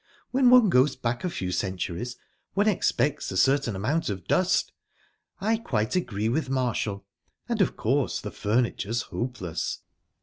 When one goes back a few centuries, one expects a certain amount of dust. I quite agree with Marshall. And of course the furniture's hopeless."